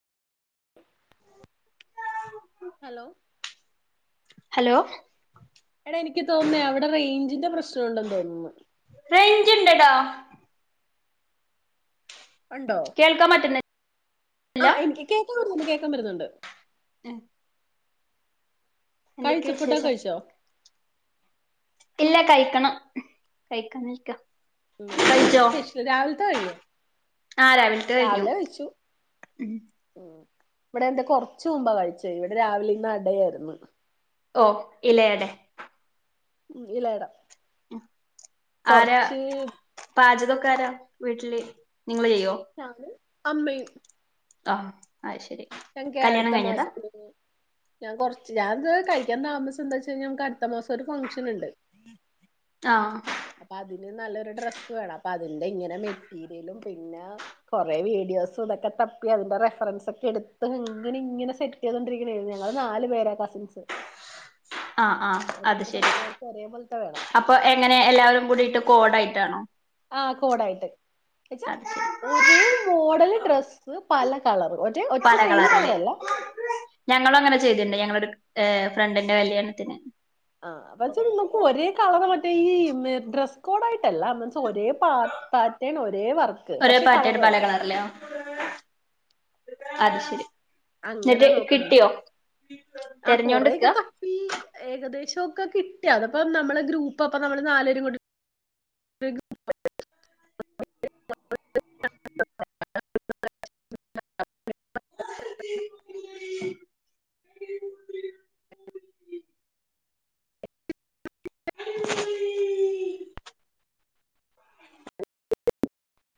hello hello എടാ എനിക്ക് തോന്നുന്നേ അവിടെ റേഞ്ചിന്റെ പ്രശ്നം ഉണ്ടെന്ന് തോന്നുന്നു റെയ്ഞ്ച് ണ്ടെഡാ ഉണ്ടോ കേൾക്കാ പറ്റുന്ന ആ എനിക്ക് കേക്കാ പറ്റുന്നുണ്ട് കേക്കാൻ പറ്റുന്നുണ്ട് കഴിച്ചോ എന്തൊക്കെയ ഫുഡോക്കെ വിശേഷം കഴിച്ചോ ഇല്ല കഴിക്കണം കഴിക്കാനിരിക്ക ഉം എന്തായിരുന്നു കഴിച്ചോ സ്പെഷ്യല് രാവിലത്തെ കഴിഞ്ഞു ആ രാവിലത്തെ കഴിഞ്ഞു രാവിലെ വച്ചു ഉം ഇവിടെ എന്താ കൊർച്ചു മുമ്പാ കഴിച്ചേ ഇവിടെ രാവിലെ ഇന്ന് അടയായിരുന്നു ഓ ഇലയടേ ഉം ഇല ട ആരാ പാചകൊക്കാരാ വീട്ടില് നിങ്ങള് ചെയ്യോ അമ്മ യ്യും ആ അഅ് ശെരി കല്യാണം അടുത്ത കഴിഞ്ഞതാ മാസം ഒരു- ഞാൻ കൊർച്ച് ഞാനത് കഴിക്കാൻ താമസം എന്താ വെച്ച് കഴിഞ്ഞ നമ്മക്ക് അടുത്ത മാസൊരു ഫങ്ഷന് ണ്ട് ആ അപ്പൊ അതിന് നല്ലൊരു ഡ്രസ്സ് വേണം അപ്പൊ അതിന്റെ ഇങ്ങനെ മെറ്റീരിയലും പിന്നെ കൊറെ വേടി യോസും ഇതൊക്കെ തപ്പി അതിന്റെ റഫറൻസൊക്കെ ട്ത്ത്ങ്ങനെ ഇങ്ങനെ സെറ്റ് ചെയ്തോണ്ടിരിക്കണെന്ന് ഞങ്ങള് നാല് പേര കസിൻസ് ആ ആ അപ്പൊ അത് ഞങ്ങക്ക് ശരി നാല് പേർക്ക് ഒരേ പോലത്തെ വേണം അപ്പൊ എങ്ങനെ എല്ലാവരും കൂടിയിട്ട് കോഡായിട്ടാണോ ആ കോടായിട്ട് ന്നച്ചാ ശരി ഒരേ മോഡല് ഡ്രസ്സ് പല കളർ ഒരേ ഒറ്റ പല സെയിം കളറില് കളറല്ല ഞങ്ങളും അങ്ങനെ ചെ ങ്ങളെട് ഏ ഫ്രണ്ടിന്റെ കല്യാണത്തിന് ആ പച്ചേ നിങ്ങക്കു ഒരേ കളറ് മറ്റേ ഈ ഡ്രസ്സ് കോഡായി ട്ടല്ല മീൻസ് ഒരേ പാ പാറ്റേണ് ഒരേ വർക്ക് ഒരേ പക്ഷെ കളർ പാറ്റേഡ് പല വേറെ കളറിലോ അത് ശരി അങ്ങനെ എന്നിട്ട് നോക്കുന്നു കിട്ടിയോ ആ കൊറയൊക്കെ തെരഞ്ഞോണ്ട്ക്കാ തപ്പി ഏകദേശം ഓക്കെ കിട്ടി അതപ്പ നമ്മള് ഗ്രൂപ്പോക്കെ നമ്മള് നാല് പേരും കൂടി [unintelligible] [unintelligible]